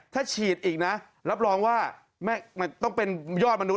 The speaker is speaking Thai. ถ้าฉีดอีกแล้วรับรองว่าต้องเป็นจอดบนนู๊ค